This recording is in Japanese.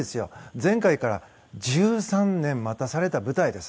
前回から１３年待たされた舞台です。